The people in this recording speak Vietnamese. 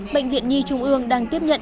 bệnh viện nhi trung ương đang tiếp nhận